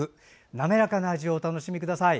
滑らかな味をお楽しみください。